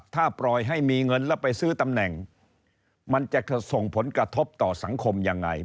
ถ้าปล่อยให้มีเงินแล้วไปซื้อตำแหน่งมันจะส่งผลกระทบต่อสังคมยังไง